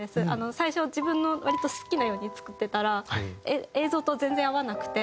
最初自分の割と好きなように作ってたら映像と全然合わなくて。